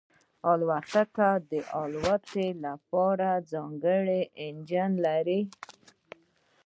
الوتکه د الوت لپاره ځانګړی انجن لري.